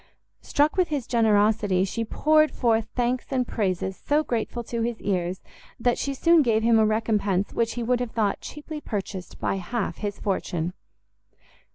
Struck with his generosity, she poured forth thanks and praises so grateful to his ears, that she soon gave him a recompense which he would have thought cheaply purchased by half his fortune.